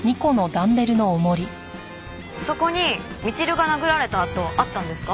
そこにみちるが殴られた跡あったんですか？